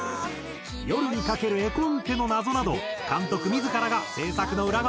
『夜に駆ける』絵コンテの謎など監督自らが制作の裏側を公開。